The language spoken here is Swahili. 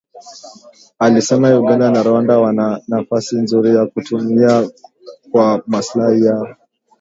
alisema Uganda na Rwanda wana nafasi nzuri ya kutumia kwa maslahi yao